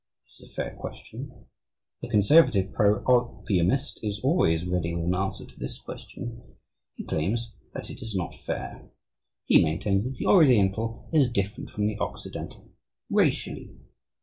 It is a fair question. The "conservative" pro opiumist is always ready with an answer to this question. He claims that it is not fair. He maintains that the Oriental is different from the Occidental racially.